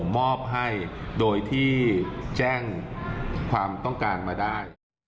มอบให้โดยที่แจ้งความต้องการมาได้